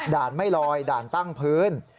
ไม่ลอยด่านตั้งพื้น